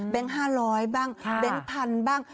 แบงค์ห้าร้อยบ้างแบงค์พันบ้าง